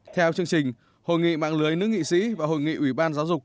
theo chương trình hội nghị mạng lưới nước nghị sĩ và hội nghị ủy ban giáo dục